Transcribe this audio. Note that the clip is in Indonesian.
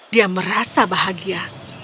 dia merasa bahagia